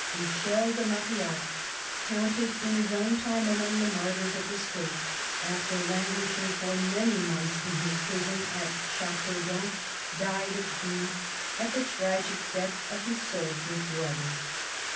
Michel de Marillac, counted in his own time among "martyrs of the State," after languishing for many months in his prison at Chateau dun, died of grief at the tragic death of his soldier brother.